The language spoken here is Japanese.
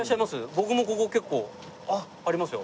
僕もここ結構ありますよ。